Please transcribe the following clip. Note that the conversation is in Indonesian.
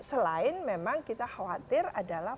selain memang kita khawatir adalah